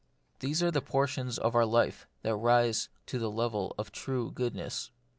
These are the portions of our life that rise to the level of true goodness.